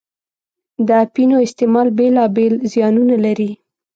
د اپینو استعمال بېلا بېل زیانونه لري.